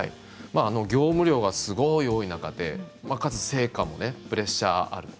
業務量がすごい多い中でかつ成果も、プレッシャーある。